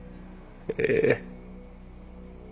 ええ。